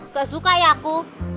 gak suka ya aku